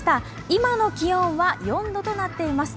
今の気温は４度となっています。